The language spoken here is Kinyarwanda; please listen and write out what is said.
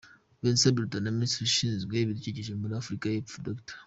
Vincent Biruta na Minisitiri ushinzwe ibidukikije muri Afurika y’Epfo, Dr.